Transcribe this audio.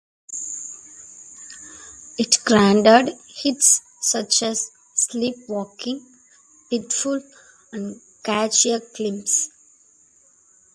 It generated hits such as "Sleepwalking", "Pitiful," and "Caught a Glimpse.